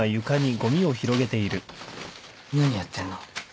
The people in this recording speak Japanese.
何やってんの？